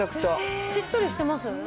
しっとりしてます？